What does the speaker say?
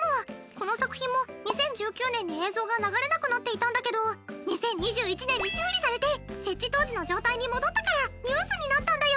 この作品も２０１９年に映像が流れなくなっていたんだけど２０２１年に修理されて設置当時の状態に戻ったからニュースになったんだよ。